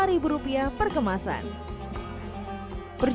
perjalanan ke tempe ini akan berjalan dengan berat